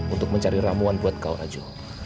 untuk mencari ramuan buat kau rajo